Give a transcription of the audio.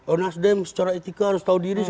oh nasdem secara etika harus tahu diri